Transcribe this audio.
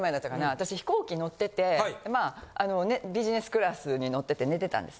私飛行機乗っててビジネスクラスに乗ってて寝てたんです。